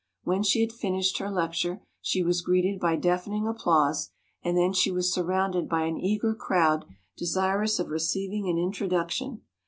When she had fin ished her lecture she was greeted by deafen ing applause, and then she was surrounded by an eager crowd desirous of receiving an introduction.